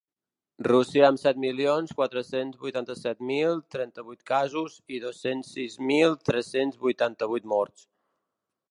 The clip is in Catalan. Rússia, amb set milions quatre-cents vuitanta-set mil cent trenta-vuit casos i dos-cents sis mil tres-cents vuitanta-vuit morts.